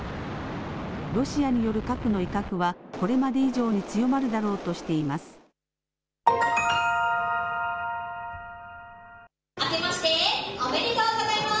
ロシアによる核の威嚇はこれまで以上に強まるだろうとしています。